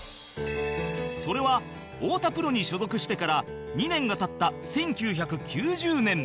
それは太田プロに所属してから２年が経った１９９０年